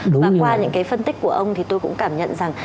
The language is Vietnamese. và qua những cái phân tích của ông thì tôi cũng cảm nhận rằng